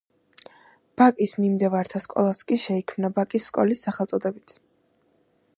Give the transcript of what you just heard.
ბაკის მიმდევართა სკოლაც კი შეიქმნა „ბაკის სკოლის“ სახელწოდებით.